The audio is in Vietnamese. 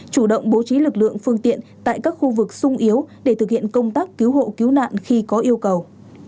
chủ động bố trí lực lượng phương tiện tại các khu vực sung yếu để thực hiện công tác cứu hộ cứu nạn khi có yêu cầu